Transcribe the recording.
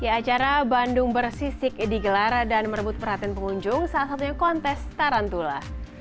acara bandung bersisik digelar dan merebut perhatian pengunjung salah satunya kontes tarantula